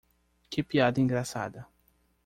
Que piada engraçada